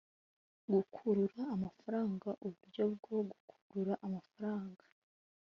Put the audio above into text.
gukurura amafaranga uburyo bwo gukurura amafaranga